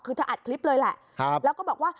คือเธออัดคลิปเลยแหละแล้วก็บอกว่า